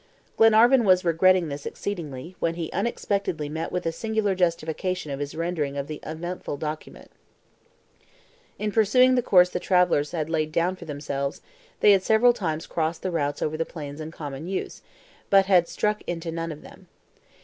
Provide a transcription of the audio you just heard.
Glenarvan was regretting this exceedingly, when he unexpectedly met with a singular justification of his rendering of the eventful document. In pursuing the course the travelers had laid down for themselves, they had several times crossed the routes over the plains in common use, but had struck into none of them.